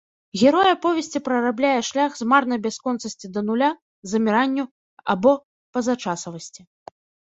Герой аповесці прарабляе шлях з марнай бясконцасці да нуля, заміранню або пазачасавасці.